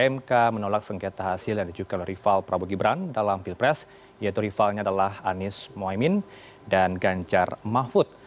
mk menolak sengketa hasil yang dijukkan rival prabowo gibran dalam pilpres yaitu rivalnya adalah anies mohaimin dan ganjar mahfud